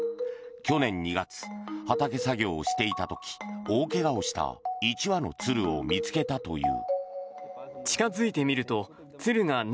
去年２月、畑作業をしていた時大怪我をした１羽の鶴を見つけたという。